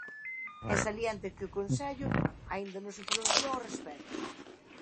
E salienta que "o Concello aínda non se pronunciou ao respecto".